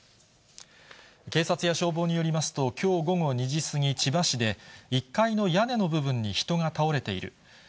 警察や消防によりますと、きょう午後２時過ぎ、千葉市で、１階の屋根の部分に人が倒れている。